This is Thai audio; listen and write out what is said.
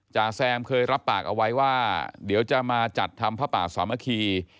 จ่าแซมเคยรับปากเอาไว้ว่าเดี๋ยวจะมาจัดทำพระป่าสามัคคี